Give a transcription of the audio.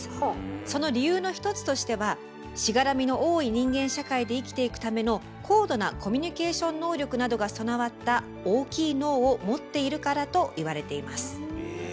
その理由の一つとしてはしがらみの多い人間社会で生きていくための高度なコミュニケーション能力などが備わった大きい脳を持っているからと言われています。